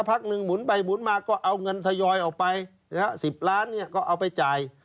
พักหนึ่งหมุนไปหมุนมาก็เอาเงินทยอยออกไป๑๐ล้านเนี่ยก็เอาไปจ่าย